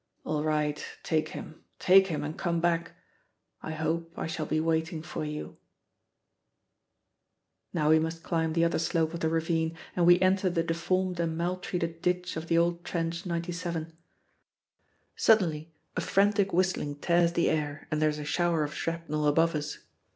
All right, take him, take him, and come back I hope I shall be waiting for you " Now we must climb the other slope of the ravine, and we enter the deformed and maltreated ditch of the old Trench 97. Suddenly a frantic whistling tears the air and there is a shower of shrapnel above us.